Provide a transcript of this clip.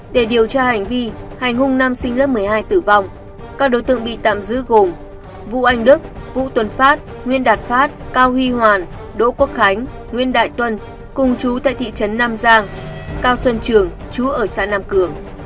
để điều tra hành vi hành hung nam sinh lớp một mươi hai tử vong các đối tượng bị tạm giữ gồm vũ anh đức vũ tuần phát nguyên đạt phát cao huy hoàn đỗ quốc khánh nguyên đại tuần cùng chú tại thị trấn nam giang cao xuân trường chú ở xã nam cường